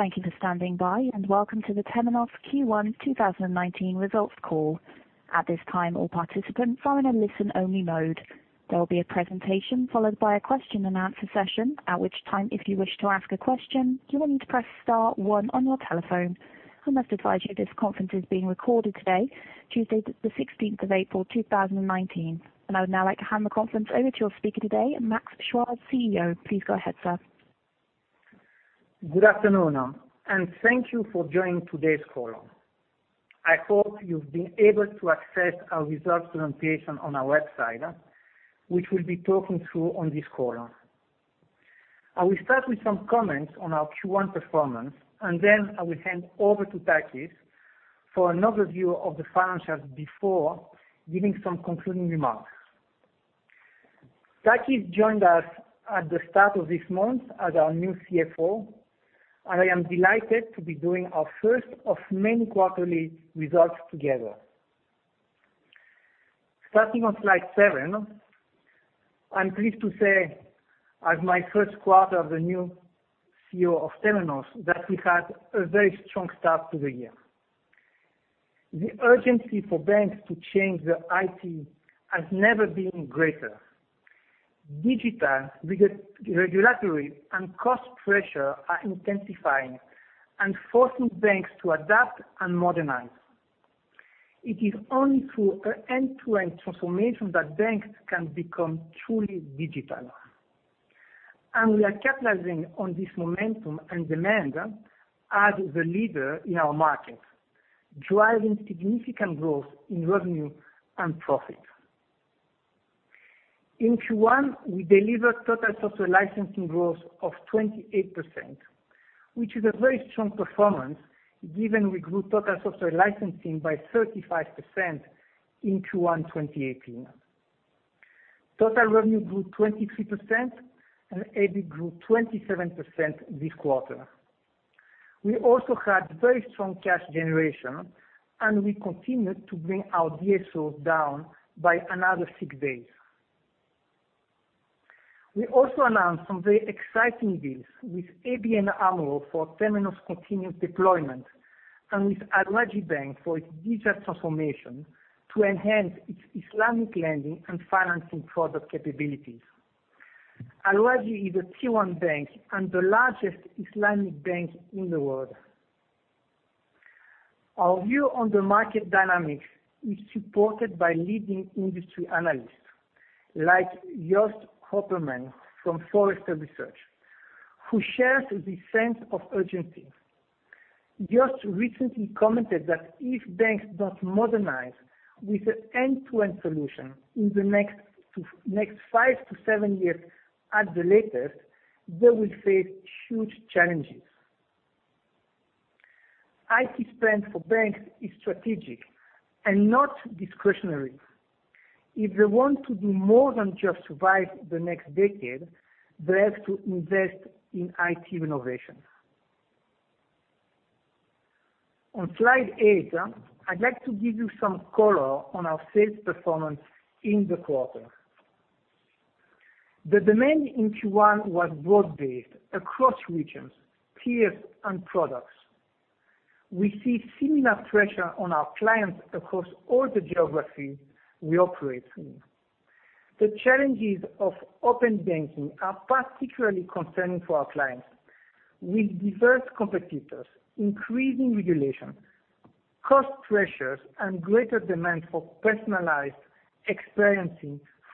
Thank you for standing by. Welcome to the Temenos Q1 2019 results call. At this time, all participants are in a listen-only mode. There will be a presentation followed by a question and answer session, at which time, if you wish to ask a question, you will need to press star one on your telephone. I must advise you this conference is being recorded today, Tuesday the 16th of April, 2019. I would now like to hand the conference over to your speaker today, Max Chuard, CEO. Please go ahead, sir. Good afternoon. Thank you for joining today's call. I hope you've been able to access our results presentation on our website, which we will be talking through on this call. I will start with some comments on our Q1 performance. I will hand over to Takis for an overview of the financials before giving some concluding remarks. Takis joined us at the start of this month as our new CFO. I am delighted to be doing our first of many quarterly results together. Starting on slide seven. I am pleased to say, as my first quarter as the new CEO of Temenos, that we had a very strong start to the year. The urgency for banks to change their IT has never been greater. Digital, regulatory, and cost pressure are intensifying and forcing banks to adapt and modernize. It is only through an end-to-end transformation that banks can become truly digital. We are capitalizing on this momentum and demand as the leader in our market, driving significant growth in revenue and profit. In Q1, we delivered total software licensing growth of 28%, which is a very strong performance given we grew total software licensing by 35% in Q1 2018. Total revenue grew 23% and EBIT grew 27% this quarter. We also had very strong cash generation. We continued to bring our DSO down by another six days. We also announced some very exciting deals with ABN AMRO for Temenos Continuous Deployment, and with Al Rajhi Bank for its digital transformation to enhance its Islamic lending and financing product capabilities. Al Rajhi is a Tier 1 bank and the largest Islamic bank in the world. Our view on the market dynamics is supported by leading industry analysts like Jost Hoppermann from Forrester Research, who shares this sense of urgency. Jost recently commented that if banks don't modernize with an end-to-end solution in the next five to seven years at the latest, they will face huge challenges. IT spend for banks is strategic and not discretionary. If they want to do more than just survive the next decade, they have to invest in IT renovation. On slide eight, I would like to give you some color on our sales performance in the quarter. The demand in Q1 was broad-based across regions, tiers, and products. We see similar pressure on our clients across all the geographies we operate in. The challenges of open banking are particularly concerning for our clients, with diverse competitors, increasing regulation, cost pressures, and greater demand for personalized experience,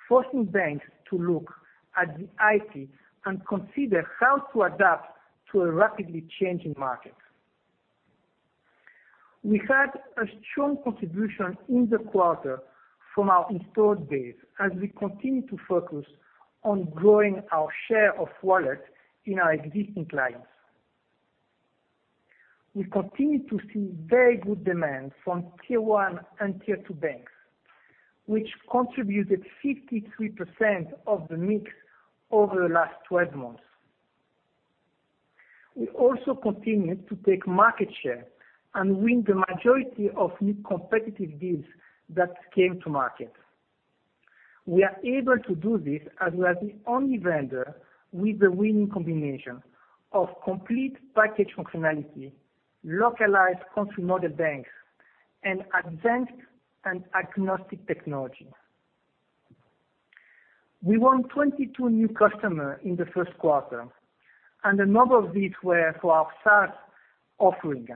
forcing banks to look at the IT and consider how to adapt to a rapidly changing market. We had a strong contribution in the quarter from our installed base as we continue to focus on growing our share of wallet in our existing clients. We continue to see very good demand from tier 1 and tier 2 banks, which contributed 53% of the mix over the last 12 months. We also continued to take market share and win the majority of new competitive deals that came to market. We are able to do this as we are the only vendor with the winning combination of complete package functionality, localized Country Model Banks, and advanced and agnostic technology. We won 22 new customers in the first quarter, and a number of these were for our SaaS offering.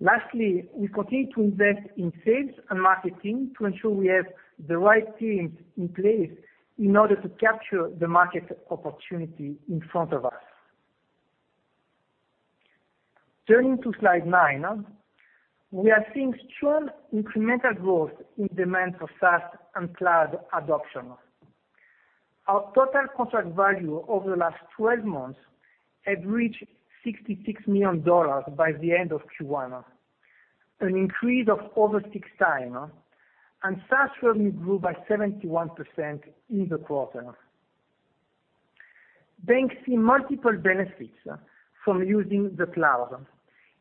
Lastly, we continue to invest in sales and marketing to ensure we have the right teams in place in order to capture the market opportunity in front of us. Turning to slide nine. We are seeing strong incremental growth in demand for SaaS and cloud adoption. Our Total Contract Value over the last 12 months had reached CHF 66 million by the end of Q1, an increase of over 6 times, and SaaS revenue grew by 71% in the quarter. Banks see multiple benefits from using the cloud,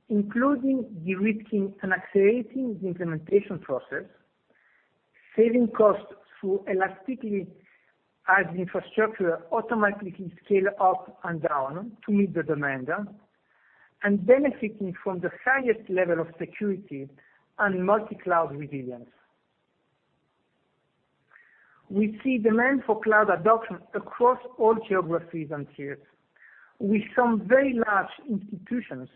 including de-risking and accelerating the implementation process, saving costs through elasticity as infrastructure automatically scales up and down to meet the demand, and benefiting from the highest level of security and multi-cloud resilience. We see demand for cloud adoption across all geographies and tiers, with some very large institutions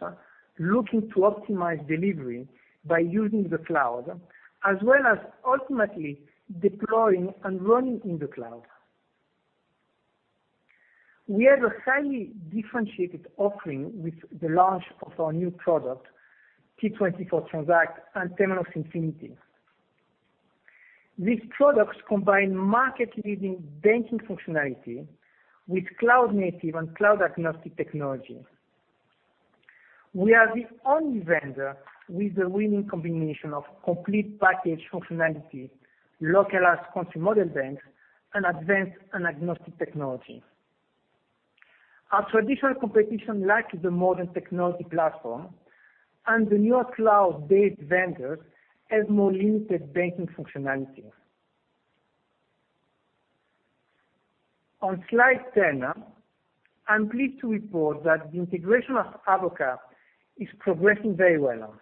looking to optimize delivery by using the cloud, as well as ultimately deploying and running in the cloud. We have a highly differentiated offering with the launch of our new product, Temenos T24 Transact and Temenos Infinity. These products combine market-leading banking functionality with cloud-native and cloud-agnostic technology. We are the only vendor with the winning combination of complete package functionality, localized Country Model Banks, and advanced and agnostic technology. Our traditional competition lacks the modern technology platform, and the newer cloud-based vendors have more limited banking functionality. On slide ten, I'm pleased to report that the integration of Avoka is progressing very well.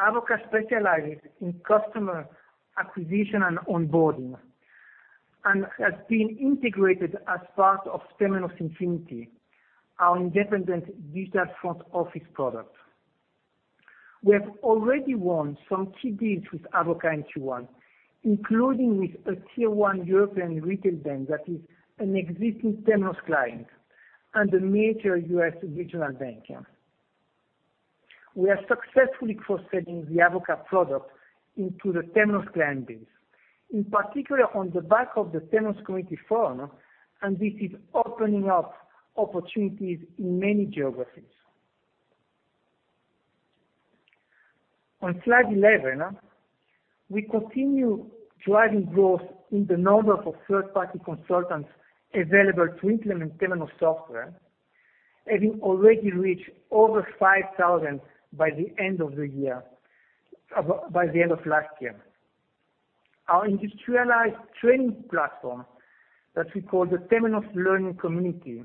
Avoka specializes in customer acquisition and onboarding and has been integrated as part of Temenos Infinity, our independent digital front office product. We have already won some key deals with Avoka in Q1, including with a Tier 1 European retail bank that is an existing Temenos client, and a major U.S. regional bank. We are successfully cross-selling the Avoka product into the Temenos client base, in particular on the back of the Temenos Community Forum, and this is opening up opportunities in many geographies. On slide eleven, we continue driving growth in the number of third-party consultants available to implement Temenos software, having already reached over 5,000 by the end of last year. Our industrialized training platform, that we call the Temenos Learning Community,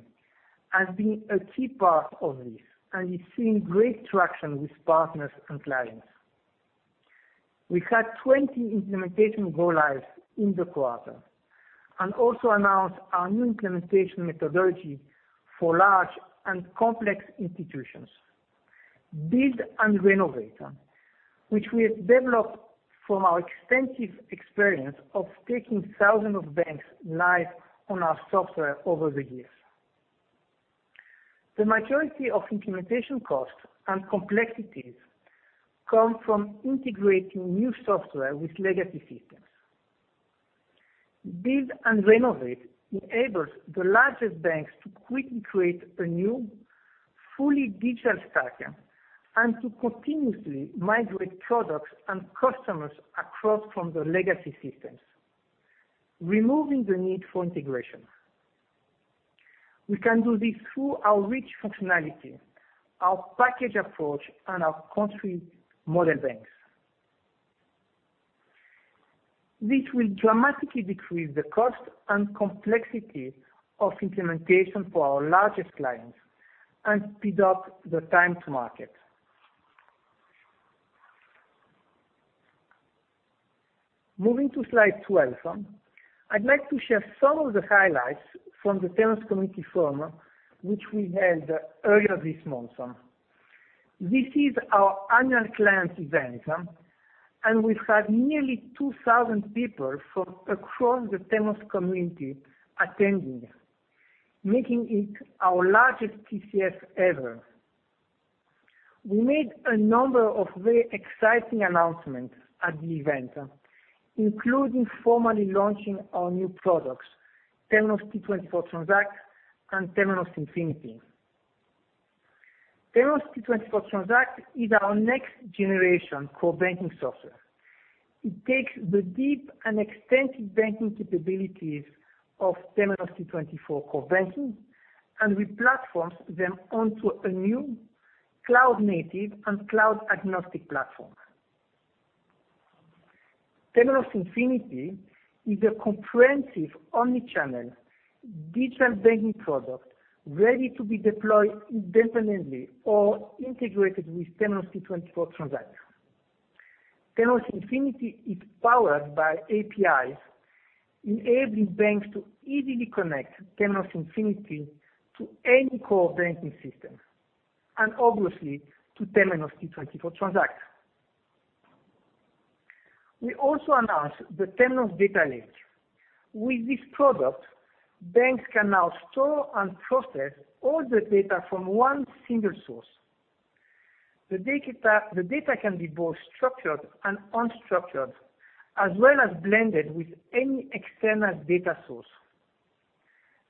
has been a key part of this and is seeing great traction with partners and clients. We had 20 implementation go live in the quarter, also announced our new implementation methodology for large and complex institutions, Build and Renovate, which we have developed from our extensive experience of taking thousands of banks live on our software over the years. The majority of implementation costs and complexities come from integrating new software with legacy systems. Build and Renovate enables the largest banks to quickly create a new, fully digital stack and to continuously migrate products and customers across from the legacy systems, removing the need for integration. We can do this through our rich functionality, our package approach, and our Country Model Banks. This will dramatically decrease the cost and complexity of implementation for our largest clients and speed up the time to market. Moving to slide 12, I'd like to share some of the highlights from the Temenos Community Forum, which we held earlier this month. This is our annual client event, we had nearly 2,000 people from across the Temenos community attending, making it our largest TCF ever. We made a number of very exciting announcements at the event, including formally launching our new products, Temenos T24 Transact and Temenos Infinity. Temenos T24 Transact is our next generation core banking software. It takes the deep and extensive banking capabilities of Temenos T24 core banking and replatforms them onto a new cloud-native and cloud-agnostic platform. Temenos Infinity is a comprehensive omni-channel digital banking product ready to be deployed independently or integrated with Temenos T24 Transact. Temenos Infinity is powered by APIs, enabling banks to easily connect Temenos Infinity to any core banking system, obviously to Temenos T24 Transact. We also announced the Temenos Data Lake. With this product, banks can now store and process all the data from one single source. The data can be both structured and unstructured, as well as blended with any external data source.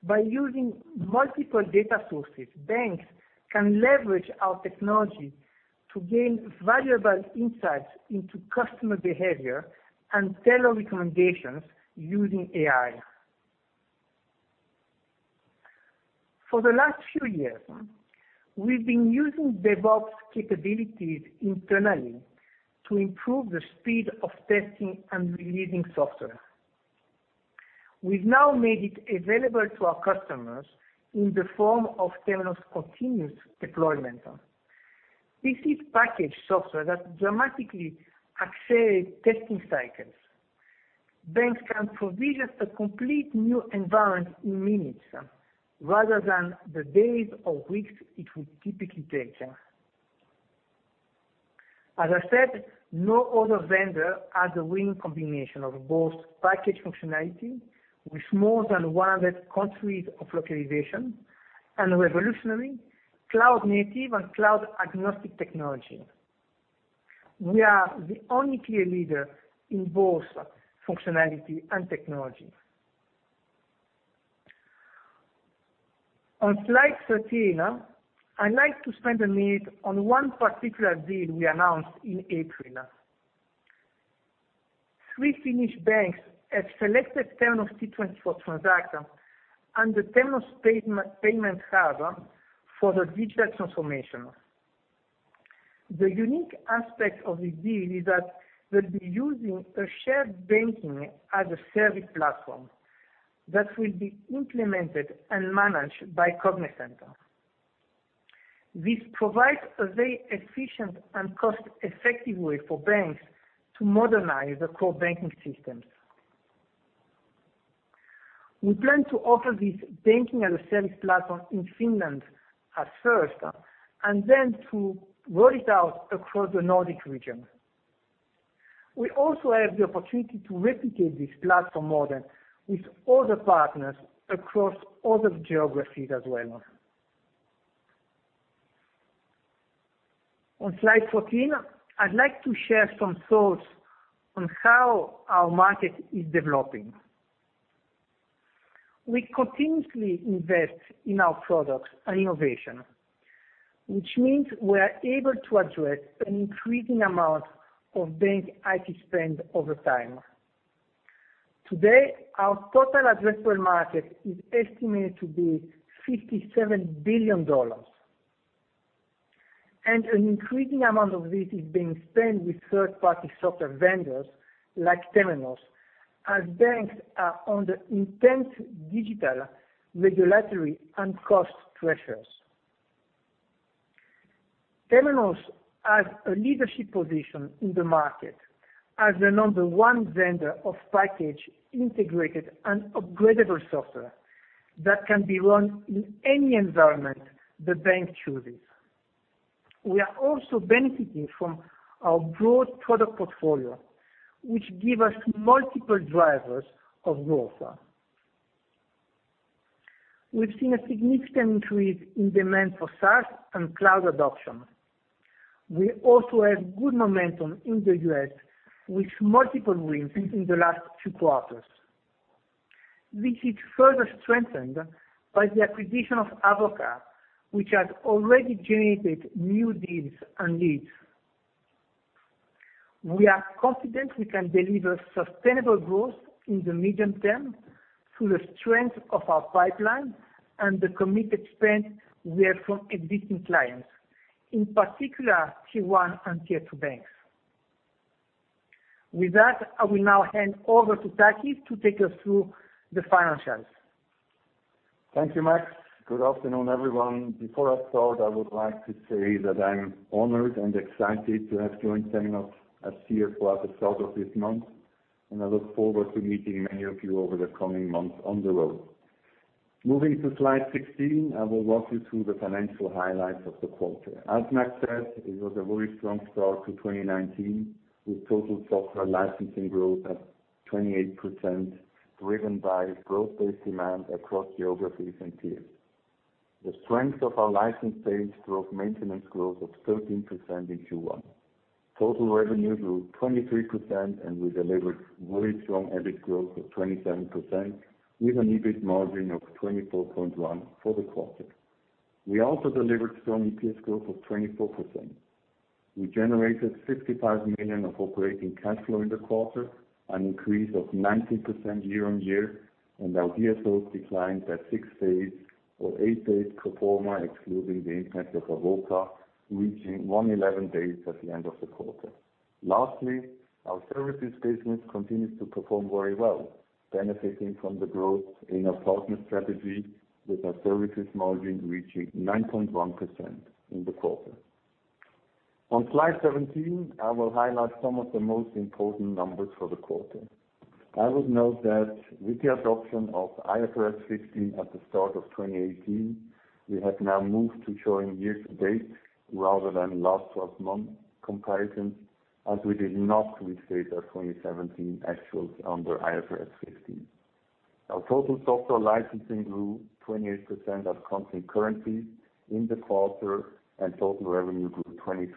By using multiple data sources, banks can leverage our technology to gain valuable insights into customer behavior and tailor recommendations using AI. For the last few years, we've been using DevOps capabilities internally to improve the speed of testing and releasing software. We've now made it available to our customers in the form of Temenos Continuous Deployment. This is packaged software that dramatically accelerates testing cycles. Banks can provision a complete new environment in minutes rather than the days or weeks it would typically take. As I said, no other vendor has a winning combination of both packaged functionality with more than 100 countries of localization, revolutionary cloud-native and cloud-agnostic technology. We are the only clear leader in both functionality and technology. On slide 13, I'd like to spend a minute on one particular deal we announced in April. Three Finnish banks have selected Temenos T24 Transact and the Temenos Payment Hub for their digital transformation. The unique aspect of this deal is that they'll be using a shared banking-as-a-service platform that will be implemented and managed by Cognizant. This provides a very efficient and cost-effective way for banks to modernize their core banking systems. We plan to offer this banking-as-a-service platform in Finland at first, then to roll it out across the Nordic region. We also have the opportunity to replicate this platform model with other partners across other geographies as well. On slide 14, I'd like to share some thoughts on how our market is developing. We continuously invest in our products and innovation, which means we're able to address an increasing amount of bank IT spend over time. Today, our total addressable market is estimated to be $57 billion. An increasing amount of this is being spent with third-party software vendors like Temenos, as banks are under intense digital, regulatory, and cost pressures. Temenos has a leadership position in the market as the number one vendor of packaged, integrated, and upgradable software that can be run in any environment the bank chooses. We are also benefiting from our broad product portfolio, which give us multiple drivers of growth. We've seen a significant increase in demand for SaaS and cloud adoption. We also have good momentum in the U.S. with multiple wins in the last two quarters. This is further strengthened by the acquisition of Avoka, which has already generated new deals and leads. We are confident we can deliver sustainable growth in the medium term through the strength of our pipeline and the committed spend we have from existing clients, in particular Tier 1 and Tier 2 banks. With that, I will now hand over to Takis to take us through the financials. Thank you, Max. Good afternoon, everyone. Before I start, I would like to say that I'm honored and excited to have joined Temenos as CFO at the start of this month, and I look forward to meeting many of you over the coming months on the road. Moving to slide 16, I will walk you through the financial highlights of the quarter. As Max said, it was a very strong start to 2019, with total software licensing growth at 28%, driven by growth-based demand across geographies and tiers. The strength of our license sales drove maintenance growth of 13% in Q1. Total revenue grew 23%, and we delivered very strong EBIT growth of 27%, with an EBIT margin of 24.1 for the quarter. We also delivered strong EPS growth of 24%. We generated $65 million of operating cash flow in the quarter, an increase of 19% year-on-year, and our DSO declined by six days or eight days pro forma, excluding the impact of Avoka, reaching 111 days at the end of the quarter. Lastly, our services business continues to perform very well, benefiting from the growth in our partner strategy with our services margin reaching 9.1% in the quarter. On slide 17, I will highlight some of the most important numbers for the quarter. I would note that with the adoption of IFRS 15 at the start of 2018, we have now moved to showing years to date rather than last 12-month comparisons, as we did not restate our 2017 actuals under IFRS 15. Our total software licensing grew 28% at constant currency in the quarter. Total revenue grew 23%.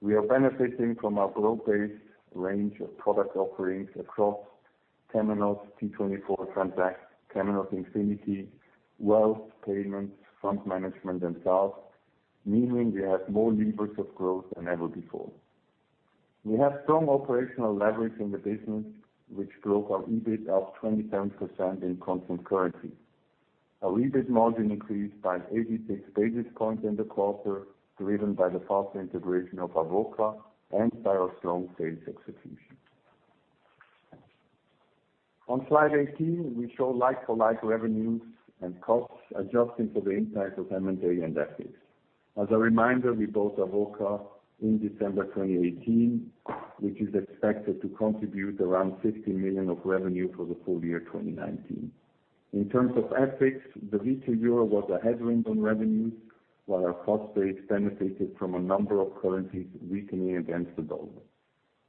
We are benefiting from our growth-based range of product offerings across Temenos T24 Transact, Temenos Infinity, Wealth, Payments, Fund Management, and SaaS, meaning we have more levers of growth than ever before. We have strong operational leverage in the business, which drove our EBIT up 27% in constant currency. Our EBIT margin increased by 86 basis points in the quarter, driven by the fast integration of Avoka and by our strong sales execution. On slide 18, we show like-for-like revenues and costs adjusting for the impact of M&A and FX. As a reminder, we bought Avoka in December 2018, which is expected to contribute around $50 million of revenue for the full year 2019. In terms of FX, the weaker EUR was a headwind on revenues, while our cost base benefited from a number of currencies weakening against the dollar.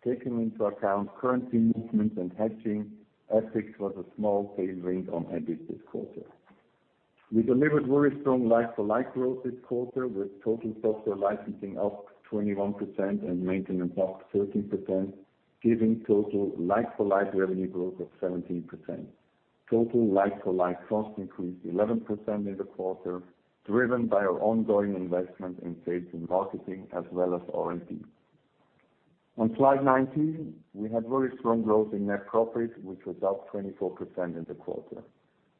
Taking into account currency movements and hedging, FX was a small tailwind on EBIT this quarter. We delivered very strong like-for-like growth this quarter, with total software licensing up 21% and maintenance up 13%, giving total like-for-like revenue growth of 17%. Total like-for-like cost increased 11% in the quarter, driven by our ongoing investment in sales and marketing as well as R&D. On slide 19, we had very strong growth in net profits, which was up 24% in the quarter.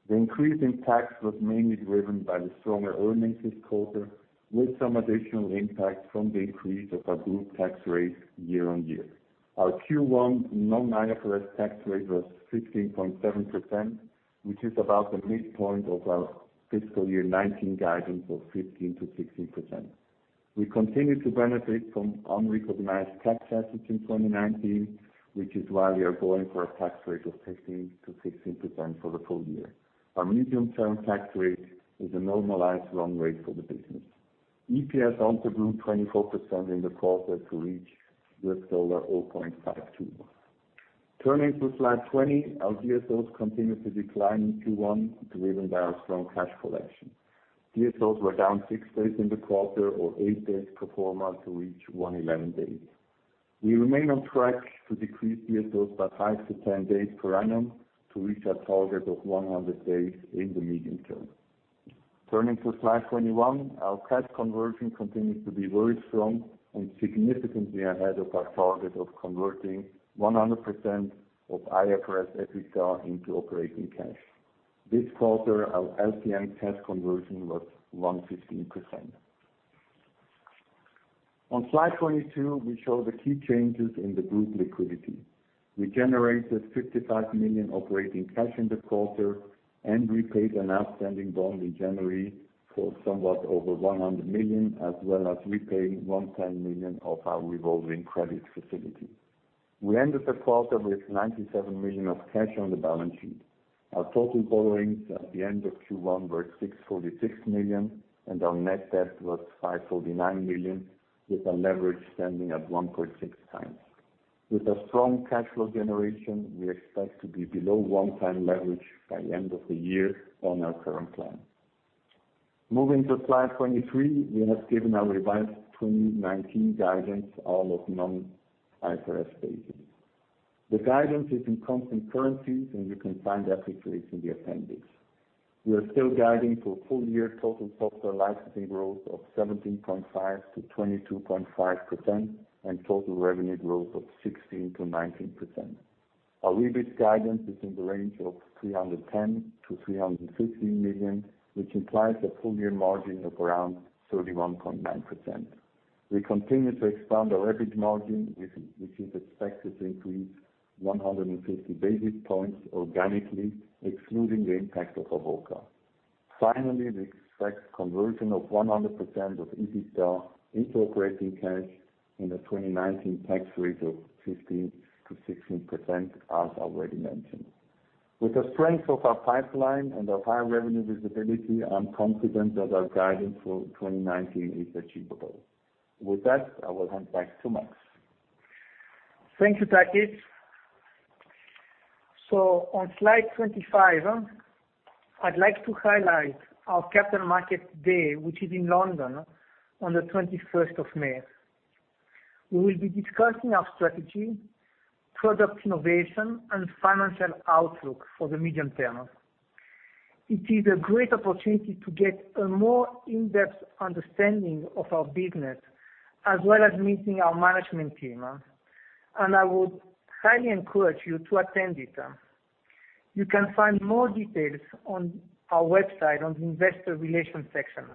The increase in tax was mainly driven by the stronger earnings this quarter, with some additional impact from the increase of our group tax rate year-over-year. Our Q1 non-IFRS tax rate was 15.7%, which is about the midpoint of our fiscal year 2019 guidance of 15%-16%. We continue to benefit from unrecognized tax assets in 2019, which is why we are going for a tax rate of 15%-16% for the full year. Our medium-term tax rate is a normalized run rate for the business. EPS onto group 24% in the quarter to reach 0.52. Turning to slide 20, our DSOs continued to decline in Q1, driven by our strong cash collection. DSOs were down six days in the quarter or eight days pro forma to reach 111 days. We remain on track to decrease DSOs by 5-10 days per annum to reach our target of 100 days in the medium term. Turning to slide 21, our cash conversion continues to be very strong and significantly ahead of our target of converting 100% of IFRS EBITDA into operating cash. This quarter, our LTM cash conversion was 115%. On slide 22, we show the key changes in the group liquidity. We generated $55 million operating cash in the quarter and repaid an outstanding bond in January for somewhat over $100 million, as well as repaying $110 million of our revolving credit facility. We ended the quarter with $97 million of cash on the balance sheet. Our total borrowings at the end of Q1 were $646 million, and our net debt was $549 million, with our leverage standing at 1.6 times. With our strong cash flow generation, we expect to be below one time leverage by end of the year on our current plan. Moving to slide 23. We have given our revised 2019 guidance, all of non-IFRS basis. The guidance is in constant currencies, and you can find FX rates in the appendix. We are still guiding for full year total software licensing growth of 17.5%-22.5% and total revenue growth of 16%-19%. Our EBIT guidance is in the range of 310 million-315 million, which implies a full year margin of around 31.9%. We continue to expand our EBIT margin, which is expected to increase 150 basis points organically, excluding the impact of Avoka. Finally, we expect conversion of 100% of EBITDA into operating cash and a 2019 tax rate of 15%-16%, as already mentioned. With the strength of our pipeline and our high revenue visibility, I'm confident that our guidance for 2019 is achievable. With that, I will hand back to Max. Thank you, Takis. On slide 25, I'd like to highlight our Capital Markets Day, which is in London on the 21st of May. We will be discussing our strategy, product innovation, and financial outlook for the medium term. It is a great opportunity to get a more in-depth understanding of our business as well as meeting our management team. I would highly encourage you to attend it. You can find more details on our website on the investor relations section.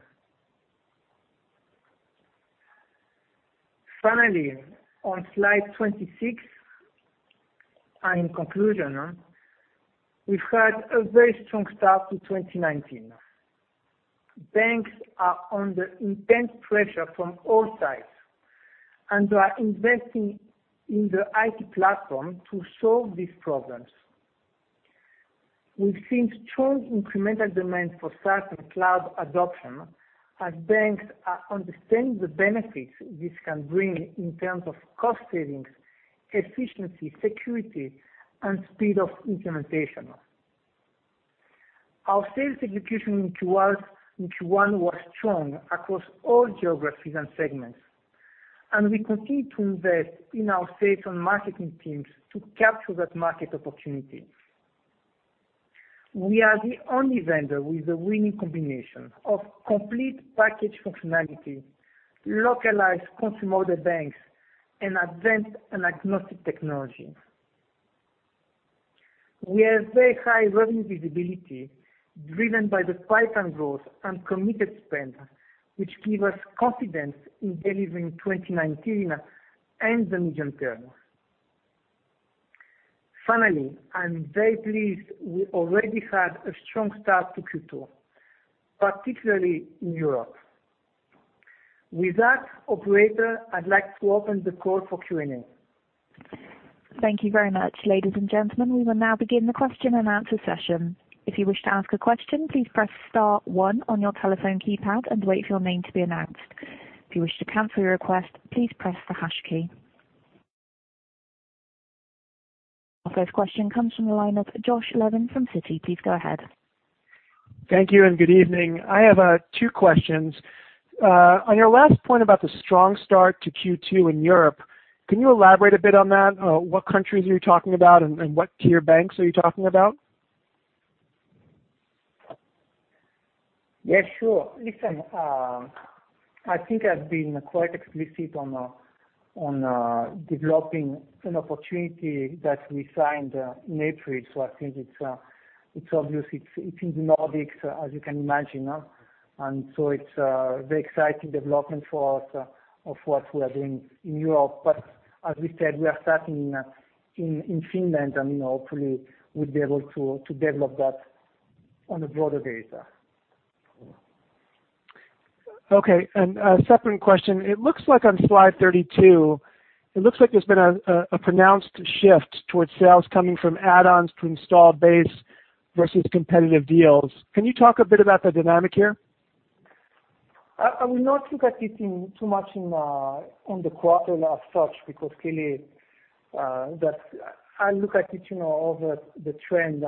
Finally, on slide 26, in conclusion, we've had a very strong start to 2019. Banks are under intense pressure from all sides. They are investing in their IT platform to solve these problems. We've seen strong incremental demand for SaaS and cloud adoption as banks are understanding the benefits this can bring in terms of cost savings, efficiency, security, and speed of implementation. Our sales execution in Q1 was strong across all geographies and segments. We continue to invest in our sales and marketing teams to capture that market opportunity. We are the only vendor with the winning combination of complete package functionality, localized Country Model Banks, and advanced and agnostic technology. We have very high revenue visibility driven by the pipeline growth and committed spend, which give us confidence in delivering 2019 and the medium term. Finally, I'm very pleased we already had a strong start to Q2, particularly in Europe. With that, operator, I'd like to open the call for Q&A. Thank you very much. Ladies and gentlemen, we will now begin the question and answer session. If you wish to ask a question, please press star one on your telephone keypad and wait for your name to be announced. If you wish to cancel your request, please press the hash key. Our first question comes from the line of Josh Levin from Citi. Please go ahead. Thank you and good evening. I have two questions. On your last point about the strong start to Q2 in Europe, can you elaborate a bit on that? What countries are you talking about and what tier banks are you talking about? Yes, sure. Listen, I think I've been quite explicit on developing an opportunity that we signed in April. I think it's obvious it is Nordics, as you can imagine. It's a very exciting development for us of what we are doing in Europe. As we said, we are starting in Finland, and hopefully we'll be able to develop that on a broader data. Okay. A separate question. It looks like on slide 32, it looks like there's been a pronounced shift towards sales coming from add-ons to install base versus competitive deals. Can you talk a bit about the dynamic here? I will not look at it too much on the quarter as such, because clearly that I look at it over the trend.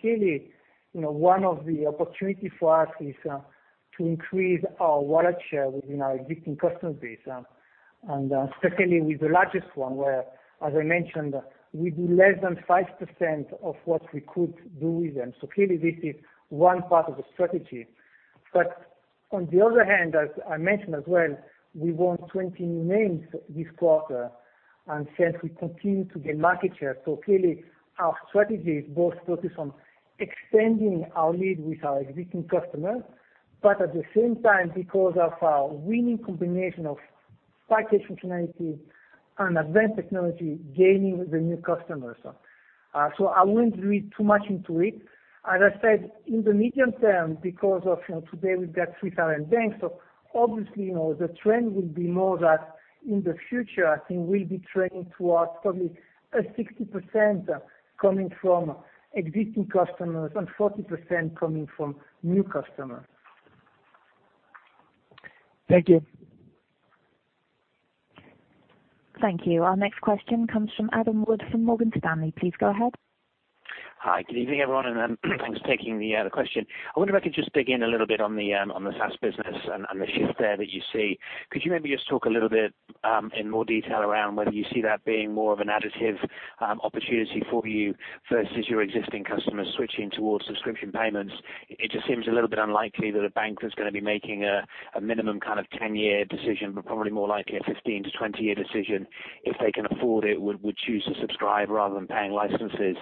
Clearly, one of the opportunity for us is to increase our wallet share within our existing customer base, and secondly, with the largest one, where, as I mentioned, we do less than 5% of what we could do with them. Clearly this is one part of the strategy. On the other hand, as I mentioned as well, we won 20 new names this quarter and since we continue to gain market share. Clearly our strategy is both focused on extending our lead with our existing customers, but at the same time, because of our winning combination of five-star functionality and advanced technology, gaining the new customers. I wouldn't read too much into it. As I said in the medium term, because of today we've got 3,000 banks, obviously the trend will be more that in the future, I think we'll be trending towards probably a 60% coming from existing customers and 40% coming from new customers. Thank you. Thank you. Our next question comes from Adam Wood from Morgan Stanley. Please go ahead. Hi. Good evening, everyone, and thanks for taking the question. I wonder if I could just dig in a little bit on the SaaS business and the shift there that you see. Could you maybe just talk a little bit in more detail around whether you see that being more of an additive opportunity for you versus your existing customers switching towards subscription payments? It just seems a little bit unlikely that a bank that's going to be making a minimum kind of 10-year decision, but probably more likely a 15- to 20-year decision, if they can afford it, would choose to subscribe rather than paying licenses.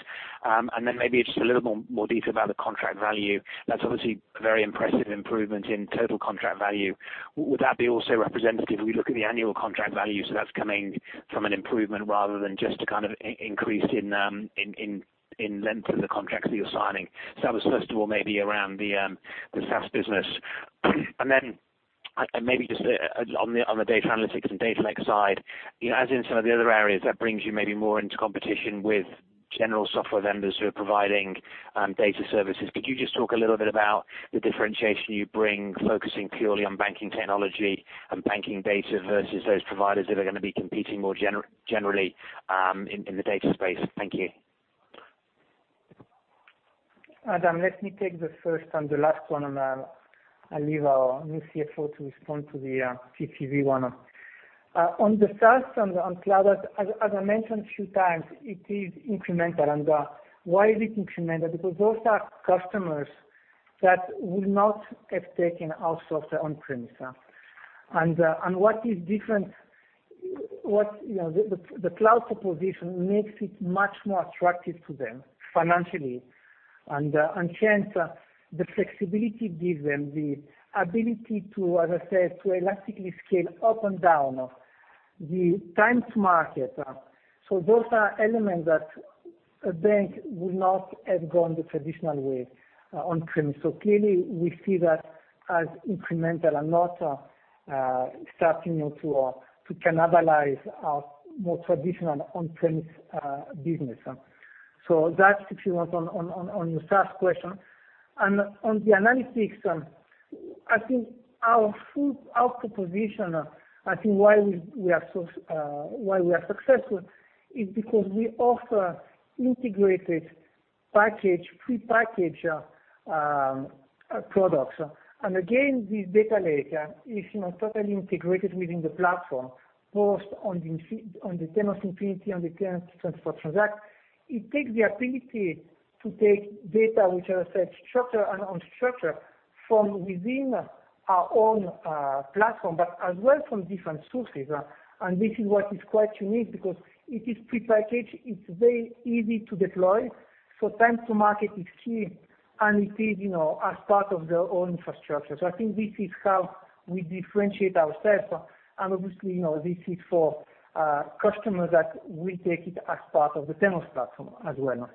Then maybe just a little more detail about the contract value. That's obviously a very impressive improvement in total contract value. Would that be also representative if we look at the annual contract value, that's coming from an improvement rather than just a kind of increase in length of the contracts that you're signing? That was first of all maybe around the SaaS business. Maybe just on the data analytics and data lake side, as in some of the other areas that brings you maybe more into competition with general software vendors who are providing data services. Could you just talk a little bit about the differentiation you bring, focusing purely on banking technology and banking data versus those providers that are going to be competing more generally in the data space? Thank you. Adam, let me take the first and the last one, I'll leave our new CFO to respond to the TCV one. On the SaaS and on cloud, as I mentioned a few times, it is incremental. Why is it incremental? Because those are customers that would not have taken our software on-premise. What is different, the cloud proposition makes it much more attractive to them financially. Hence the flexibility gives them the ability to, as I said, to elastically scale up and down the times market. Those are elements that a bank would not have gone the traditional way on-premise. Clearly we see that as incremental and not starting to cannibalize our more traditional on-premise business. That's if you want on your SaaS question. On the analytics, I think our full proposition, I think why we are successful is because we offer integrated package, prepackaged products. Again, this data lake is totally integrated within the platform, both on the Temenos Infinity, on the Transact. It takes the ability to take data, which are, as I said, structured and unstructured from within our own platform, but as well from different sources. This is what is quite unique because it is prepackaged, it's very easy to deploy, time to market is key, and it is as part of their own infrastructure. I think this is how we differentiate ourselves. Obviously, this is for customers that will take it as part of the Temenos platform as well.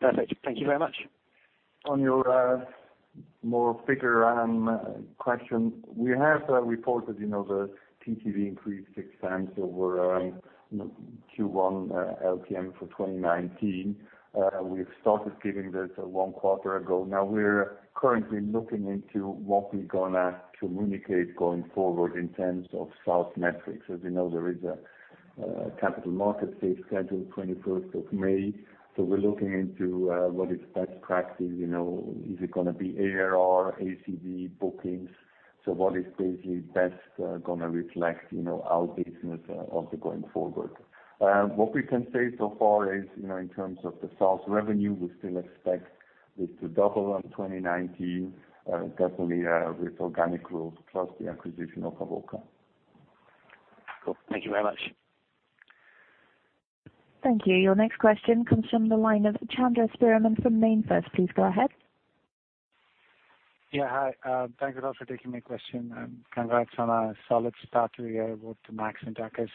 Perfect. Thank you very much. On your more figure question, we have reported the TCV increased six times over Q1 LTM for 2019. We have started giving this one quarter ago. Now we are currently looking into what we are going to communicate going forward in terms of sales metrics. As you know, there is a Capital Markets Day scheduled 21st of May, so we are looking into what is best practice. Is it going to be ARR, ACV, bookings? What is basically best going to reflect our business of the going forward. What we can say so far is, in terms of the sales revenue, we still expect it to double in 2019, definitely with organic growth plus the acquisition of Avoka. Cool. Thank you very much. Thank you. Your next question comes from the line of Chandramouli Sriraman from MainFirst. Please go ahead. Yeah. Hi. Thanks a lot for taking my question, and congrats on a solid start to the year, both to Max and Takis.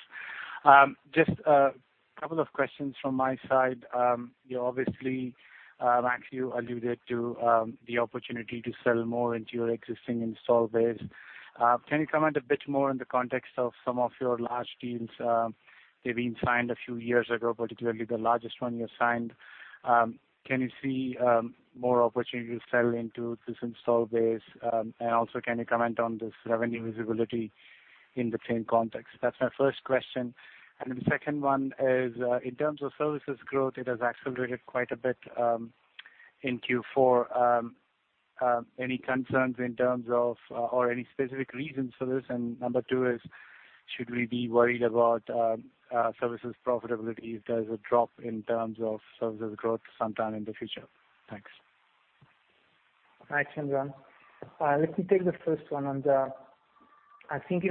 Just a couple of questions from my side. Obviously, Max, you alluded to the opportunity to sell more into your existing install base. Can you comment a bit more in the context of some of your large deals that have been signed a few years ago, particularly the largest one you signed? Can you see more opportunities to sell into this install base? Also, can you comment on this revenue visibility in the same context? That's my first question. The second one is, in terms of services growth, it has accelerated quite a bit in Q4. Any concerns in terms of or any specific reasons for this? number 2 is, should we be worried about services profitability if there's a drop in terms of services growth sometime in the future? Thanks. Hi, Chandram. Let me take the first one. I think,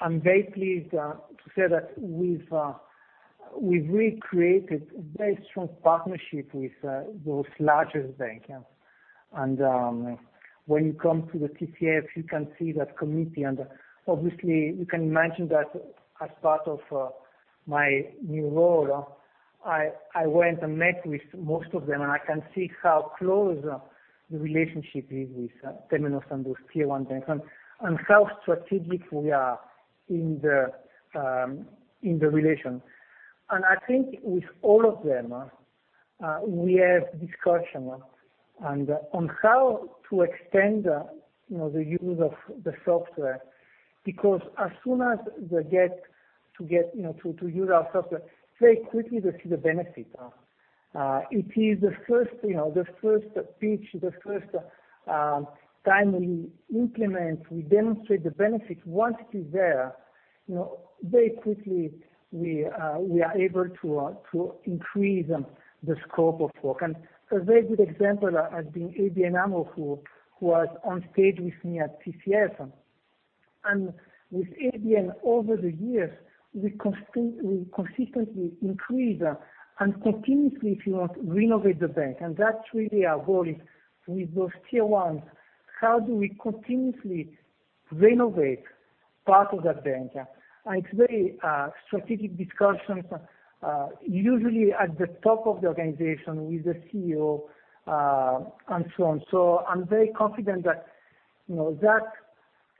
I'm very pleased to say that we've really created a very strong partnership with those larger banks. When you come to the TCF, you can see that committee, obviously you can imagine that as part of my new role, I went and met with most of them, I can see how close the relationship is with Temenos and those Tier 1 banks, how strategic we are in the relation. I think with all of them, we have discussion on how to extend the use of the software, because as soon as they get to use our software, very quickly they see the benefit. It is the first pitch, the first time we implement, we demonstrate the benefit. Once it is there, very quickly we are able to increase the scope of work. A very good example has been ABN AMRO, who was on stage with me at TCF. With ABN, over the years, we consistently increase and continuously, if you want, renovate the bank. That's really our goal with those Tier 1s. How do we continuously renovate part of that bank? It's very strategic discussions, usually at the top of the organization with the CEO, and so on. I'm very confident that angle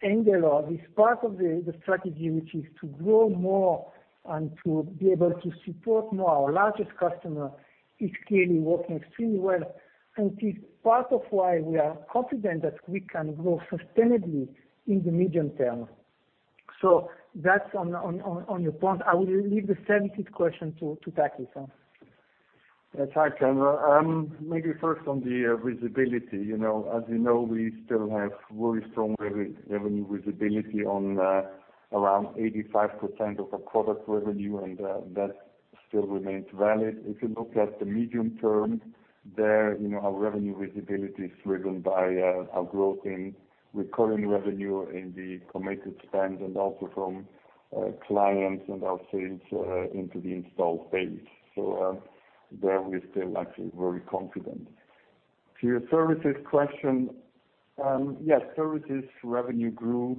of this part of the strategy, which is to grow more and to be able to support our largest customer, is clearly working extremely well. It is part of why we are confident that we can grow sustainably in the medium term. That's on your point. I will leave the services question to Takis. Yes. Hi, Chandran. Maybe first on the visibility. You know, we still have very strong revenue visibility on around 85% of our product revenue, that still remains valid. You look at the medium term there, our revenue visibility is driven by our growth in recurring revenue in the committed spend and also from clients and our sales into the installed base. There we're still actually very confident. To your services question, yes, services revenue grew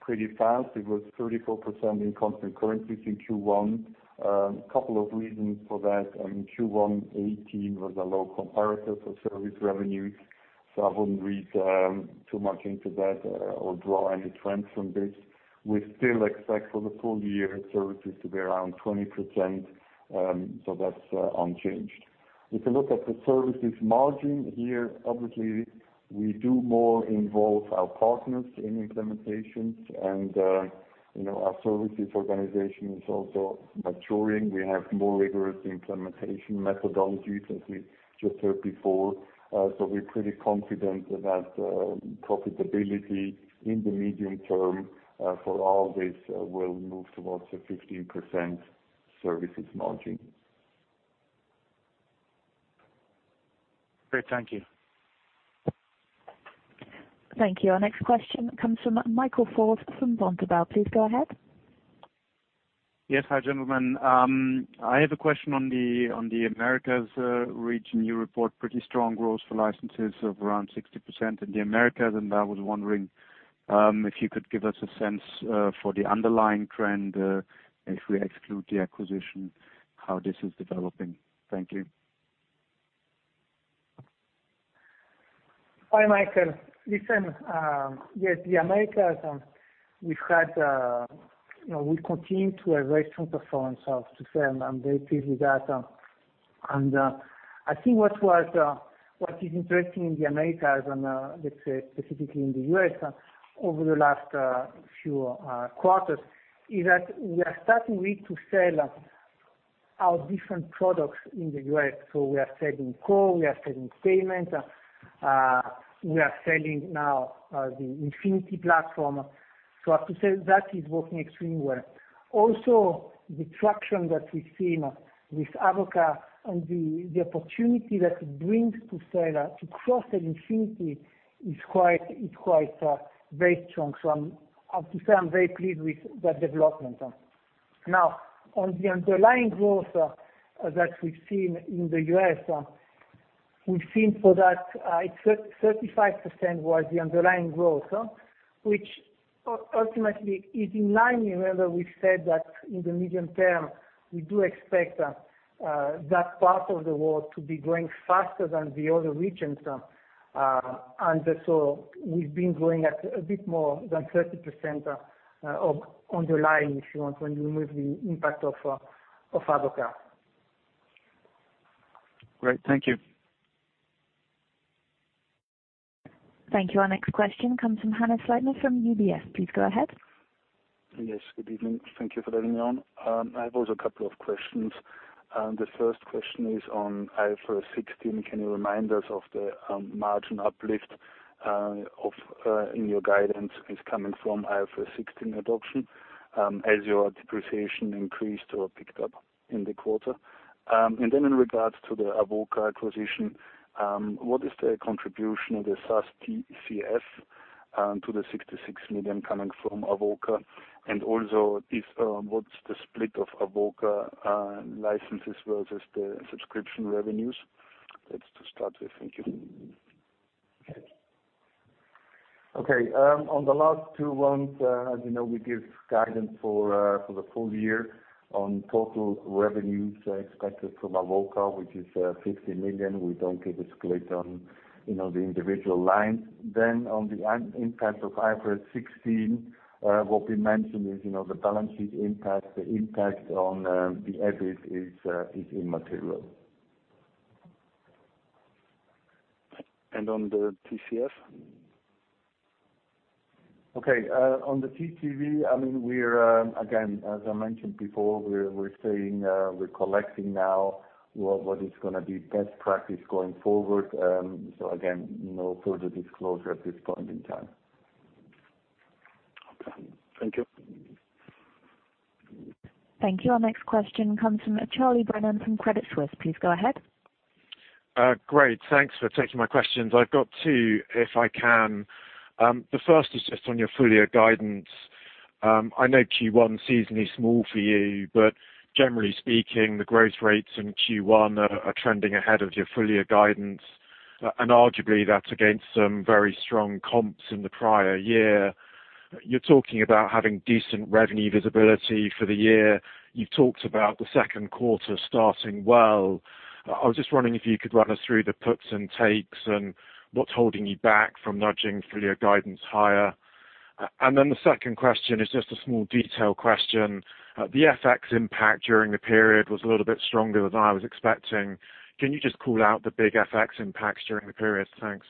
pretty fast. It was 34% in constant currency in Q1. A couple of reasons for that. Q1 '18 was a low comparator for service revenues, I wouldn't read too much into that or draw any trends from this. We still expect for the full year services to be around 20%, that's unchanged. You look at the services margin here, obviously, we do more involve our partners in implementations. Our services organization is also maturing. We have more rigorous implementation methodologies, as we just heard before. We're pretty confident that profitability in the medium term for all this will move towards a 15% services margin. Great. Thank you. Thank you. Our next question comes from Andreas Venditti from Vontobel. Please go ahead. Yes. Hi, gentlemen. I have a question on the Americas region. You report pretty strong growth for licenses of around 60% in the Americas, and I was wondering if you could give us a sense for the underlying trend, if we exclude the acquisition, how this is developing. Thank you. Hi, Andreas. Listen. Yes, the Americas, we continue to have very strong performance, to say I'm very pleased with that. I think what is interesting in the Americas and, let's say, specifically in the U.S., over the last few quarters, is that we are starting really to sell our different products in the U.S. We are selling core, we are selling payments, we are selling now the Infinity platform. I have to say that is working extremely well. Also, the traction that we've seen with Avoka and the opportunity that it brings to cross-sell Infinity is very strong. I have to say, I'm very pleased with that development. Now, on the underlying growth that we've seen in the U.S., we've seen so that 35% was the underlying growth, which ultimately is in line. You remember we said that in the medium term, we do expect that part of the world to be growing faster than the other regions. We've been growing at a bit more than 30% on the line, if you want, when you remove the impact of Avoka. Great. Thank you. Thank you. Our next question comes from Hannes Scheuermann from UBS. Please go ahead. Yes. Good evening. Thank you for letting me on. I have also a couple of questions. The first question is on IFRS 16. Can you remind us of the margin uplift in your guidance is coming from IFRS 16 adoption as your depreciation increased or picked up in the quarter? In regards to the Avoka acquisition, what is the contribution of the SaaS TCF to the $66 million coming from Avoka, and also what's the split of Avoka licenses versus the subscription revenues? That's to start with. Thank you. Okay. On the last two ones, as you know, we give guidance for the full year on total revenues expected from Avoka, which is $50 million. We don't give a split on the individual lines. On the impact of IFRS 16, what we mentioned is the balance sheet impact. The impact on the EBIT is immaterial. On the TCF? Okay. On the TCV, again, as I mentioned before, we're collecting now what is going to be best practice going forward. Again, no further disclosure at this point in time. Okay. Thank you. Thank you. Our next question comes from Charles Brennan from Credit Suisse. Please go ahead. Great. Thanks for taking my questions. I've got two, if I can. The first is just on your full year guidance. I know Q1 seasonally small for you. Generally speaking, the growth rates in Q1 are trending ahead of your full year guidance. Arguably that's against some very strong comps in the prior year. You're talking about having decent revenue visibility for the year. You've talked about the second quarter starting well. I was just wondering if you could run us through the puts and takes and what's holding you back from nudging full year guidance higher. The second question is just a small detail question. The FX impact during the period was a little bit stronger than I was expecting. Can you just call out the big FX impacts during the period? Thanks.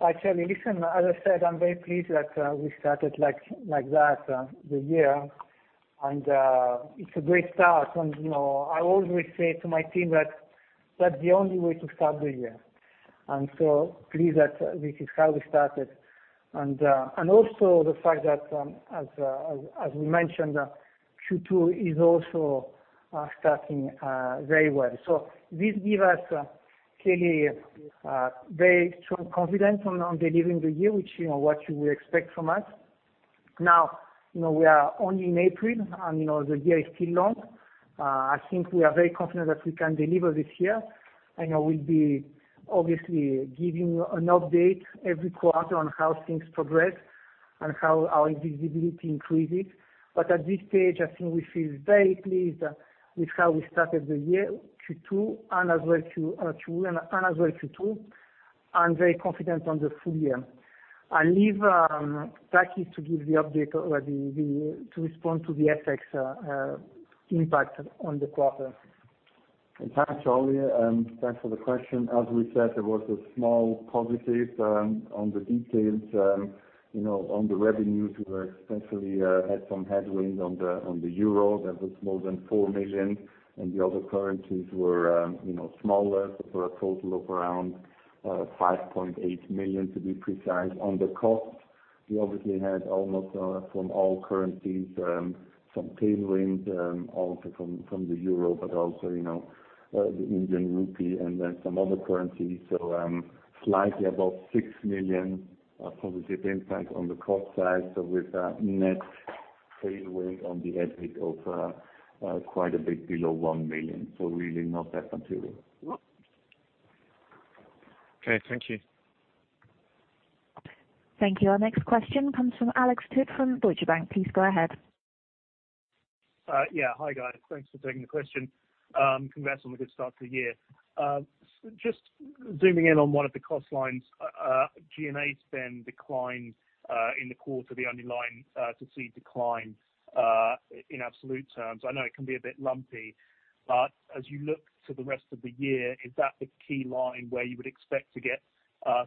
Hi, Charles. Listen, as I said, I'm very pleased that we started like that, the year, it's a great start. I always say to my team that the only way to start the year, pleased that this is how we started. Also the fact that, as we mentioned, Q2 is also starting very well. This give us clearly very strong confidence on delivering the year, which you will expect from us. Now, we are only in April, the year is still long. I think we are very confident that we can deliver this year, we'll be obviously giving an update every quarter on how things progress and how our visibility increases. At this stage, I think we feel very pleased with how we started the year Q2 and as well Q1 and as well Q2, and very confident on the full year. I leave Takis to respond to the FX impact on the quarter. Hi, Charles, and thanks for the question. As we said, there was a small positive on the details on the revenues. We essentially had some headwind on the EUR that was more than four million, and the other currencies were smaller. A total of around 5.8 million, to be precise. On the cost We obviously had almost from all currencies, some tailwind also from the EUR, also, the INR and then some other currencies. Slightly above six million positive impact on the cost side. With net tailwind on the headwind of quite a bit below one million, so really not that material. Okay. Thank you. Thank you. Our next question comes from Alexander Bowers from Deutsche Bank. Please go ahead. Yeah. Hi, guys. Thanks for taking the question. Congrats on the good start to the year. Just zooming in on one of the cost lines, G&A spend declined in the quarter, the underlying to see decline in absolute terms. I know it can be a bit lumpy, but as you look to the rest of the year, is that the key line where you would expect to get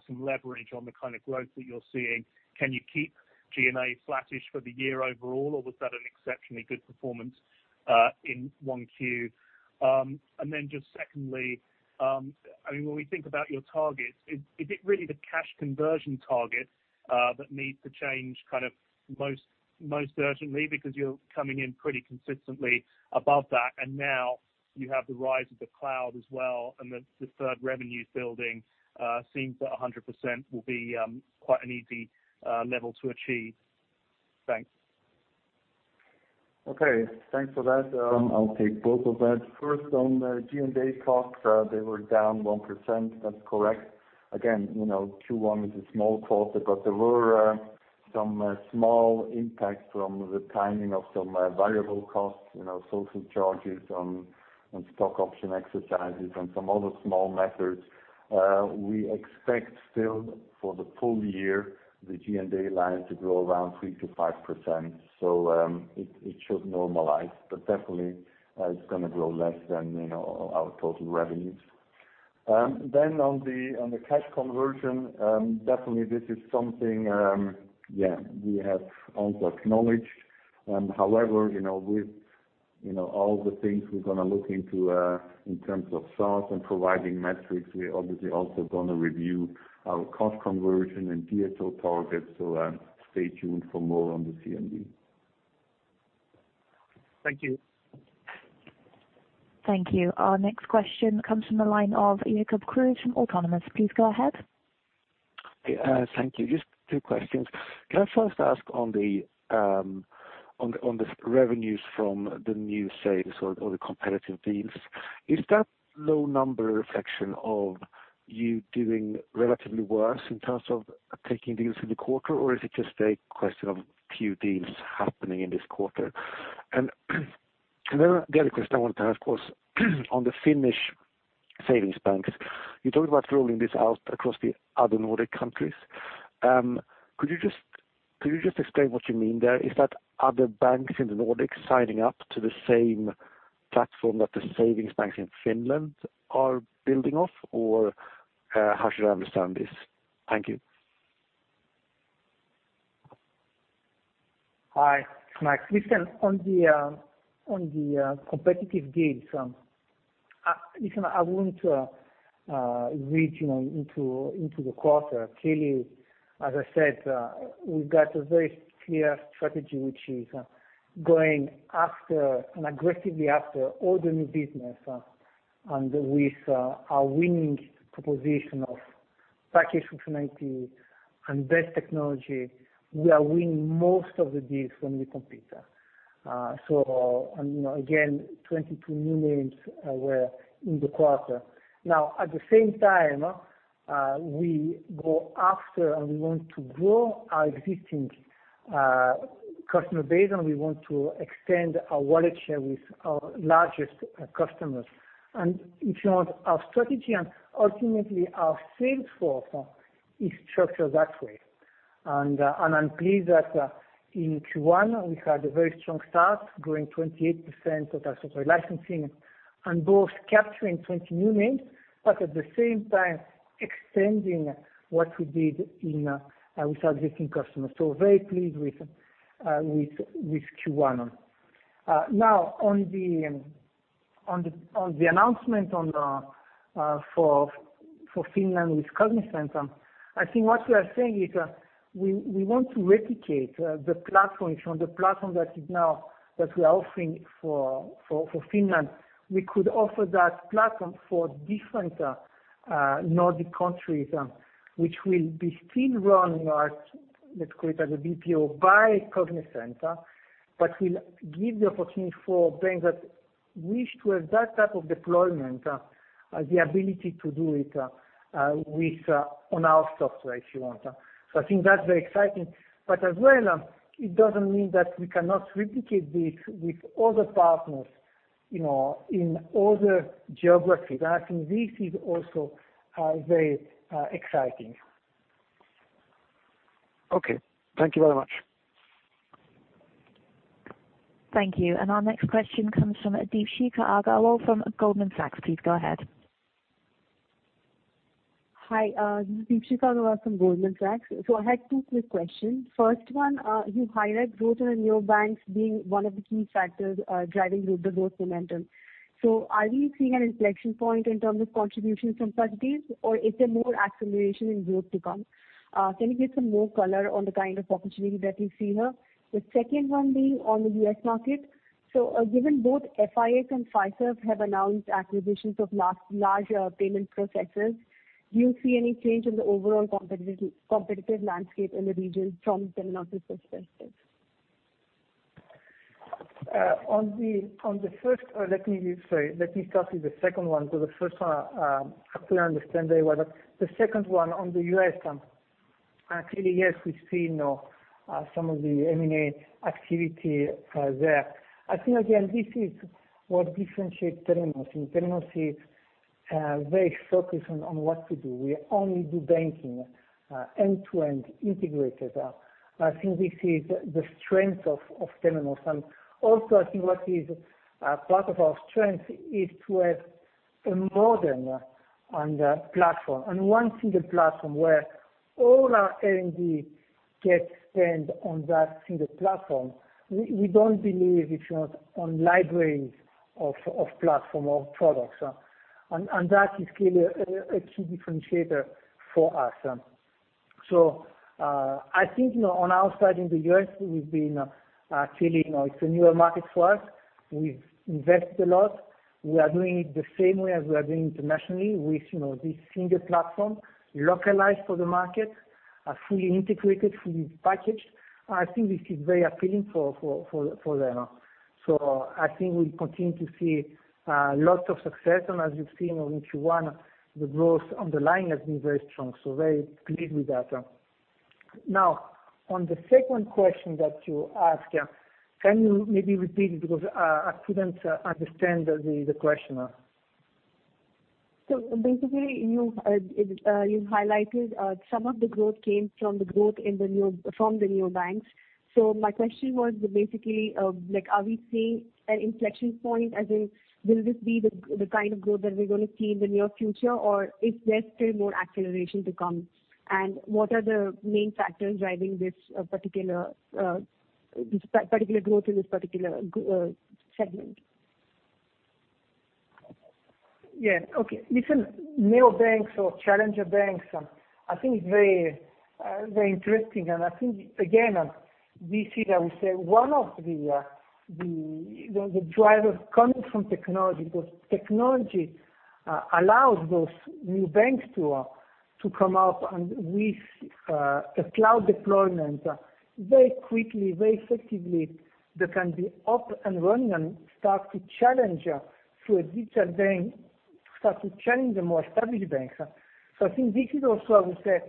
some leverage on the kind of growth that you're seeing? Can you keep G&A flattish for the year overall, or was that an exceptionally good performance in one Q? Just secondly, when we think about your targets, is it really the cash conversion target that needs to change most urgently because you're coming in pretty consistently above that, and now you have the rise of the cloud as well, and the deferred revenue building seems that 100% will be quite an easy level to achieve. Thanks. Okay. Thanks for that. I'll take both of that. First on G&A costs, they were down 1%. That's correct. Again, Q1 is a small quarter, but there were some small impacts from the timing of some variable costs, social charges on stock option exercises and some other small methods. We expect still for the full year, the G&A line to grow around 3%-5%. It should normalize, but definitely it's going to grow less than our total revenues. On the cash conversion, definitely this is something, yeah, we have also acknowledged. However, with all the things we're going to look into in terms of SaaS and providing metrics, we are obviously also going to review our cost conversion and DSO targets. Stay tuned for more on the CMD. Thank you. Thank you. Our next question comes from the line of James Goodman from Autonomous. Please go ahead. Thank you. Just two questions. Can I first ask on the revenues from the new sales or the competitive deals, is that low number a reflection of you doing relatively worse in terms of taking deals in the quarter, or is it just a question of few deals happening in this quarter? The other question I wanted to ask was on the Finnish savings banks. You talked about rolling this out across the other Nordic countries. Could you just explain what you mean there? Is that other banks in the Nordics signing up to the same platform that the savings banks in Finland are building off, or how should I understand this? Thank you. Hi. Thanks. Listen, on the competitive deals, listen, I wouldn't read into the quarter. Clearly, as I said, we've got a very clear strategy, which is going after, and aggressively after all the new business. With our winning proposition of package functionality and best technology, we are winning most of the deals when we compete. Again, 22 new names were in the quarter. At the same time, we go after, and we want to grow our existing customer base, and we want to extend our wallet share with our largest customers. If you want our strategy and ultimately our sales force is structured that way. I'm pleased that in Q1 we had a very strong start growing 28% of our software licensing and both capturing 20 new names, but at the same time extending what we did with our existing customers. Very pleased with Q1. On the announcement for Finland with Cognizant, I think what we are saying is we want to replicate the platform from the platform that we are offering for Finland. We could offer that platform for different Nordic countries, which will be still run, let's call it as a BPO by Cognizant, but will give the opportunity for banks that wish to have that type of deployment, the ability to do it on our software if you want. I think that's very exciting. As well, it doesn't mean that we cannot replicate this with other partners in other geographies. I think this is also very exciting. Okay. Thank you very much. Thank you. Our next question comes from Deepshikha Agarwal from Goldman Sachs. Please go ahead. Hi, this is Deepshikha Agarwal from Goldman Sachs. I had two quick questions. First one, you highlight growth in the neobanks being one of the key factors driving group the growth momentum. Are we seeing an inflection point in terms of contribution from such deals, or is there more acceleration in growth to come? Can you give some more color on the kind of opportunity that you see here? The second one being on the U.S. market. Given both FIS and Fiserv have announced acquisitions of large payment processors, do you see any change in the overall competitive landscape in the region from Temenos' perspective? Let me start with the second one, because the first one, I couldn't understand very well. The second one on the U.S., clearly, yes, we've seen some of the M&A activity there. I think, again, this is what differentiates Temenos. Temenos is very focused on what to do. We only do banking, end-to-end integrated. I think this is the strength of Temenos. Also, I think what is part of our strength is to have a modern platform, and one single platform where all our R&D gets spent on that single platform. We don't believe, if you want, on libraries of platform, of products. That is clearly a key differentiator for us. I think, on our side in the U.S., clearly, it's a newer market for us. We've invested a lot. We are doing it the same way as we are doing internationally with this single platform, localized for the market, fully integrated, fully packaged. I think this is very appealing for them. I think we'll continue to see lots of success. As you've seen on Q1, the growth on the line has been very strong, very pleased with that. On the second question that you asked, can you maybe repeat it? Because I couldn't understand the question. Basically, you highlighted some of the growth came from the growth from the neobanks. My question was basically, are we seeing an inflection point, as in, will this be the kind of growth that we're going to see in the near future, or is there still more acceleration to come? What are the main factors driving this particular growth in this particular segment? Listen, neobanks or challenger banks, I think it's very interesting. I think, again, this is, I would say, one of the drivers coming from technology, because technology allows those neobanks to come up, and with a cloud deployment, very quickly, very effectively, they can be up and running and start to challenge the more established banks. I think this is also, I would say,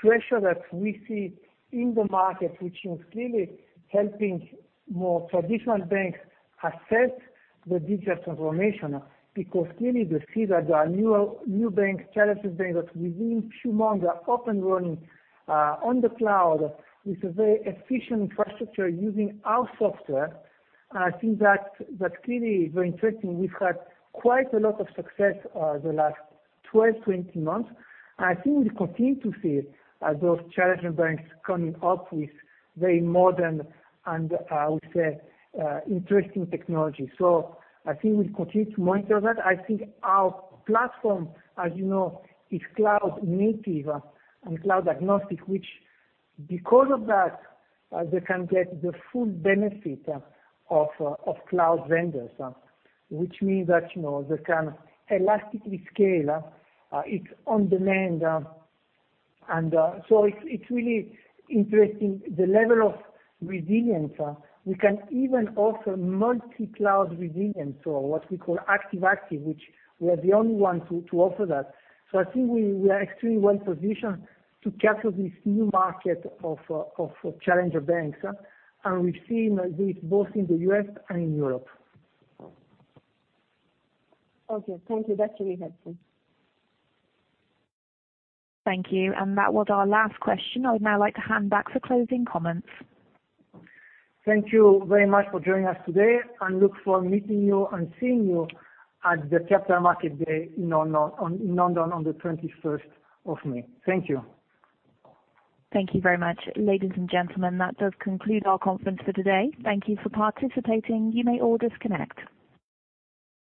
pressure that we see in the market, which is clearly helping more traditional banks assess the digital transformation. Clearly they see that there are neobanks, challenger banks, that within few months, are up and running on the cloud with a very efficient infrastructure using our software. I think that clearly is very interesting. We've had quite a lot of success the last 12, 20 months, and I think we'll continue to see those challenger banks coming up with very modern, and I would say, interesting technology. I think we'll continue to monitor that. I think our platform, as you know, is cloud native and cloud agnostic, which because of that, they can get the full benefit of cloud vendors. Which means that they can elastically scale it on demand. It's really interesting the level of resilience. We can even offer multi-cloud resilience or what we call active-active, which we are the only ones who offer that. I think we are extremely well positioned to capture this new market of challenger banks, and we've seen this both in the U.S. and in Europe. Okay. Thank you. That's really helpful. Thank you. That was our last question. I would now like to hand back for closing comments. Thank you very much for joining us today, and look forward to meeting you and seeing you at the Capital Markets Day in London on the 21st of May. Thank you. Thank you very much. Ladies and gentlemen, that does conclude our conference for today. Thank you for participating. You may all disconnect.